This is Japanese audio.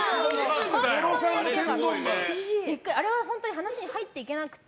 あれは話に入っていけなくて。